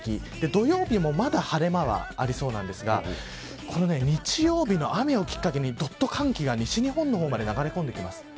土曜日もまだ晴れ間はありそうなんですが日曜日の雨をきっかけにどっと寒気が西日本の方まで流れ込んできます。